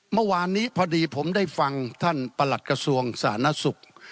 เมื่อวานนี้พอดีผมได้ฟังท่านประหลัดกระทรวงสาธารณสุข